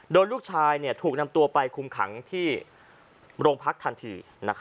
โดยลูกชายถูกนำตัวไปคุมขังที่โรงพักทันที